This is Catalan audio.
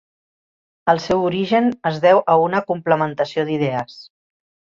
El seu origen es deu a una complementació d'idees.